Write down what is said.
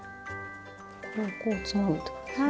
これをこうつまむってことですね？